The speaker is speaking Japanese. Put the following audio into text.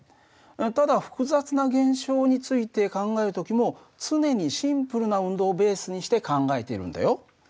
ただ複雑な現象について考える時も常にシンプルな運動をベースにして考えているんだよ。